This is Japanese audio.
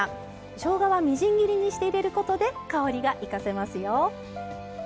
しょうがはみじん切りにして入れることで香りが生かせますよ。